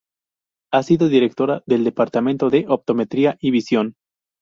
Ha sido Directora del Departamento de Optometría y Visión.